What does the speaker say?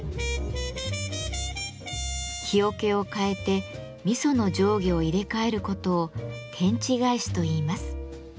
木桶を替えて味噌の上下を入れ替えることを「天地返し」といいます。